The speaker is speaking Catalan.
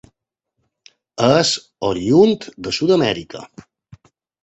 És oriünd de Sud-amèrica.